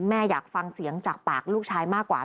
อยากฟังเสียงจากปากลูกชายมากกว่า